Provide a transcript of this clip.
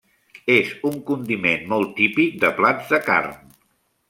És un condiment molt típic de plats de carn.